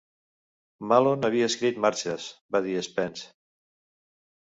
"Mahlon havia escrit marxes", va dir Spence.